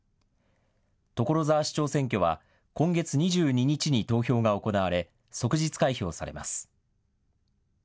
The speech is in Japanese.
所沢市長選挙は今月２２日に投票が行われ、即日開票されます。